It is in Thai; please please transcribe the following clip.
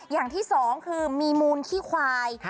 อย่างที่สองคือมีมูลขี้ควาย